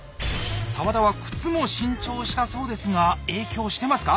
澤田は靴も新調したそうですが影響してますか？